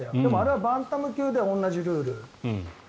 でも、あれはバンタム級で同じルール。